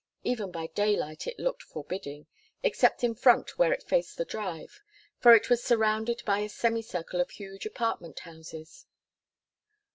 Even by daylight it looked forbidding, except in front where it faced the Drive, for it was surrounded by a semi circle of huge apartment houses.